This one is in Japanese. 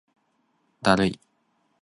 だるい